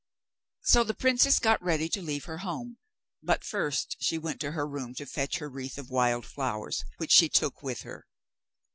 So the princess got ready to leave her home; but first she went to her room to fetch her wreath of wild flowers, which she took with her.